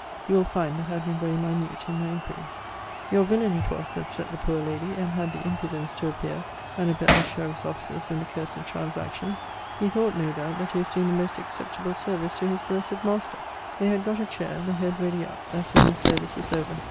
You will find that I have been very minute in my inquiries. Your villain it was that set the poor lady, and had the impudence to appear, and abet the sheriff's officers in the cursed transaction. He thought, no doubt, that he was doing the most acceptable service to his blessed master. They had got a chair; the head ready up, as soon as service was over.